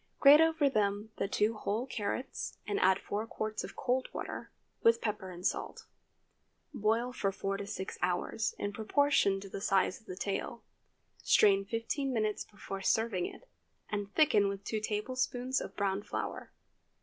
Grate over them the two whole carrots, and add four quarts of cold water, with pepper and salt. Boil from four to six hours, in proportion to the size of the tail. Strain fifteen minutes before serving it, and thicken with two tablespoonfuls of browned flour.